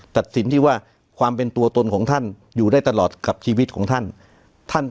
ตัดสินที่ว่าความเป็นตัวตนของท่านอยู่ได้ตลอดกับชีวิตของท่านท่าน